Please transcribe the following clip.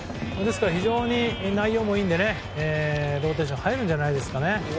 ですから非常に内容もいいのでローテーション入るんじゃないですかね。